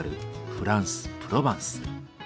フランスプロバンス。